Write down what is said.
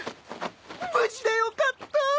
無事でよかった。